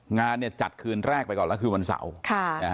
งานเนี่ยจัดคืนแรกไปก่อนแล้วคืนวันเสาร์